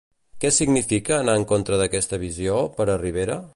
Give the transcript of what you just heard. Què significa anar en contra d'aquesta visió, per a Rivera?